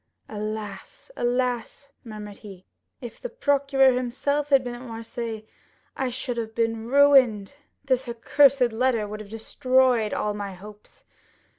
"Alas, alas," murmured he, "if the procureur himself had been at Marseilles I should have been ruined. This accursed letter would have destroyed all my hopes.